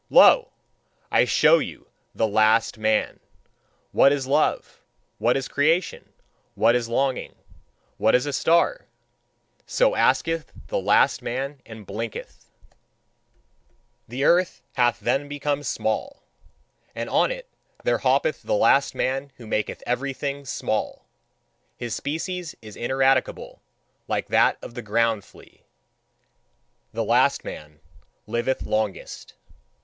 Lo! I show you THE LAST MAN. "What is love? What is creation? What is longing? What is a star?" so asketh the last man and blinketh. The earth hath then become small, and on it there hoppeth the last man who maketh everything small. His species is ineradicable like that of the ground flea; the last man liveth longest.